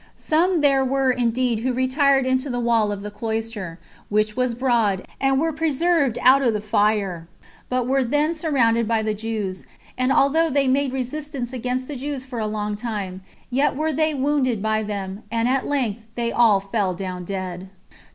Some there were indeed who retired into the wall of the cloister, which was broad, and were preserved out of the fire, but were then surrounded by the Jews; and although they made resistance against the Jews for a long time, yet were they wounded by them, and at length they all fell down dead.